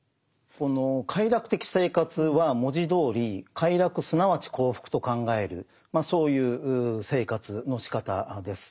この快楽的生活は文字どおり快楽すなわち幸福と考えるそういう生活のしかたです。